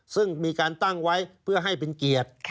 ซึ่งมีการตั้งไว้เพื่อให้เป็นเกียรติ